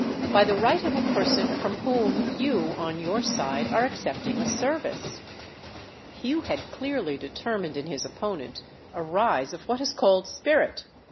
"By the right of a person from whom you, on your side, are accepting a service." Hugh had clearly determined in his opponent a rise of what is called spirit.